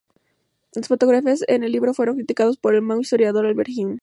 Las fotografías en el libro fueron criticadas por el mago historiador Albert Un.